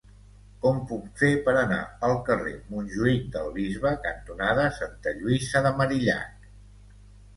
Com ho puc fer per anar al carrer Montjuïc del Bisbe cantonada Santa Lluïsa de Marillac?